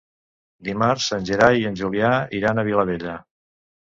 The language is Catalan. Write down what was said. Dimarts en Gerai i en Julià iran a Vilabella.